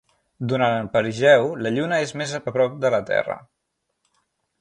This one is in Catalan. Durant el perigeu, la Lluna és més a prop de la Terra.